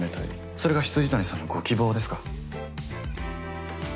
それが未谷さんのご希望ですか？